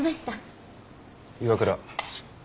岩倉。